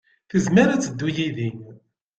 Tezmer ad teddu yid-i.